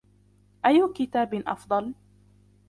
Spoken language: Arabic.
أي كتاب أفضل ؟